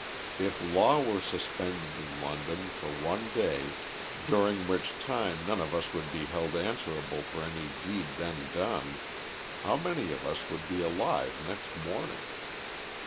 If law were suspended in London for one day, during which time none of us would be held answerable for any deed then done, how many of us would be alive next morning?